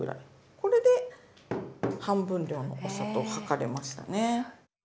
これで半分量のお砂糖を量れましたね。